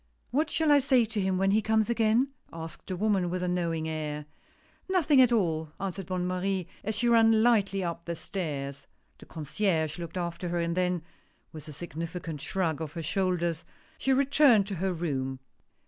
"What shall I say to him when he comes again?" asked the woman, with a knowing air. " Nothing at all," answered Bonne Marie, as she ran lightly up the stairs. The Concierge looked after her, and then with a significant shrug of her shoulders, she returned to her room.